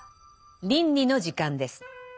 倫理の時間です。